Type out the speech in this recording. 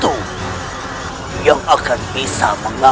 tidak ada apa apa